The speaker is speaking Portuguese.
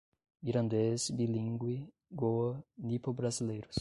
mirandês, bilíngue, Goa, nipo-brasileiros